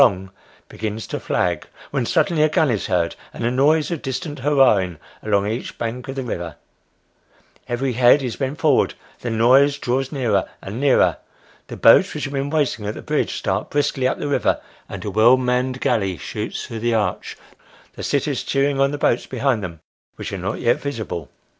long begins to flag, when suddenly a gun is heard, and a noise of distant hurra'ing along each bank of the river every head is bent forward the noise draws nearer and nearer the boats which have been waiting at the bridge start briskly up the river, and a well manned galley shoots through the arch, the sitters cheering on the boats behind them, which are not yet visible.